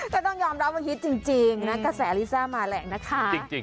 ต้องยอมรับว่าฮิตจริงนะกระแสลิซ่ามาแหละนะคะ